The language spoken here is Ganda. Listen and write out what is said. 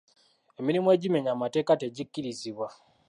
Emirimu egimenya amateeka tegikkirizibwa.